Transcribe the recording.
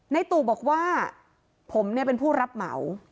นายตู่บอกว่าผมเป็นผู้รับเหมา